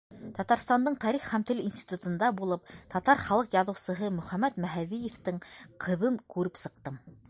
Татарстандың Тарих һәм тел институтында булып, татар халыҡ яҙыусыһы Мөхәмәт Мәһәҙиевтең ҡыҙын күреп сыҡтым.